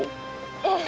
ええ。